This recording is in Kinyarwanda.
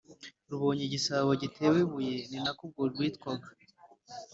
rubonye igisabo gitewe ibuye ninako n’ubwo rwitwaga